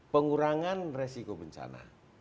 pengurangan resiko bencana